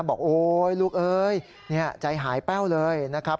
บอกโอ๊ยลูกเอ้ยใจหายแป้วเลยนะครับ